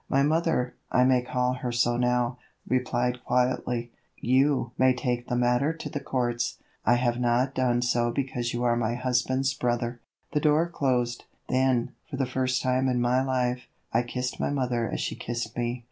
My mother, I may call her so now, replied quietly: "You may take the matter to the courts; I have not done so because you are my husband's brother." The door closed. Then, for the first time in my life, I kissed my mother as she kissed me.